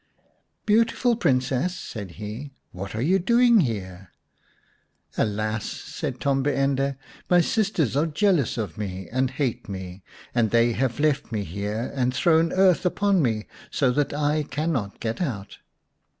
" Beautiful Princess," said he, " what are you doing here ?" "Alas!" said Tombi ende, "my sisters are jealous of me and hate me, and they have left me here and thrown earth upon me, so that I cannot get out."